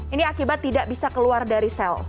ini akibat tidak bisa keluar dari sel